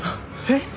えっ。